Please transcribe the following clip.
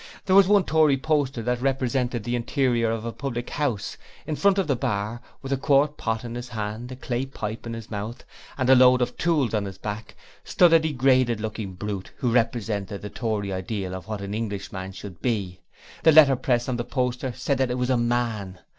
There was one Tory poster that represented the interior of a public house; in front of the bar, with a quart pot in his hand, a clay pipe in his mouth, and a load of tools on his back, stood a degraded looking brute who represented the Tory ideal of what an Englishman should be; the letterpress on the poster said it was a man!